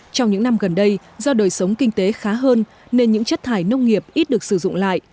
trong những năm gần đây do đời sống kinh tế khá hơn nên những chất thải nông nghiệp ít được sử dụng lại